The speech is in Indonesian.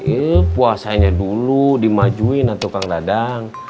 eh puasanya dulu dimajuin tuh kang dadang